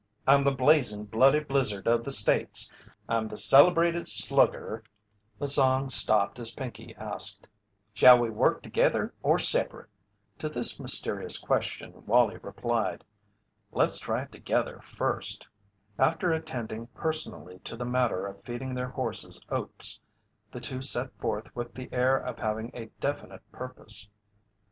I'm the blazing, bloody blizzard of the States. I'm the celebrated slugger The song stopped as Pinkey asked: "Shall we work together or separate?" To this mysterious question Wallie replied: "Let's try it together first." After attending personally to the matter of feeding their horses oats, the two set forth with the air of having a definite purpose.